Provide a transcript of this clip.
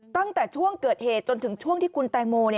ตั้งแต่ช่วงเกิดเหตุจนถึงช่วงที่คุณแตงโม